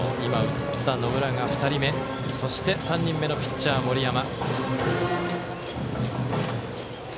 映っていた野村が２人目そして３人目のピッチャー、森山。